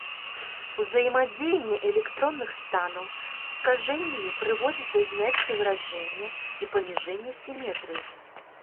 Ўзаемадзеянне электронных станаў з скажэннямі прыводзіць да зняцця выраджэння і паніжэння сіметрыі.